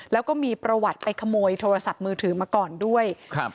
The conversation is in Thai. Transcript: แล้วก็มีประวัติไปขโมยโทรศัพท์มือถือมาก่อนด้วยครับ